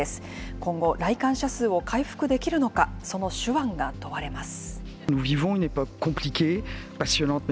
今後、来館者数を回復できるのか、その手腕が問われます。